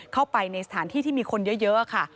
เข้าไปในสถานที่ที่มีคนเยอะค่ะ